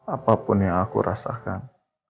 apapun yang aku rasakan